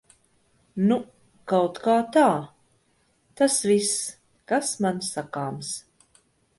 Nu kautkā tā. Tas viss, kas man sakāms.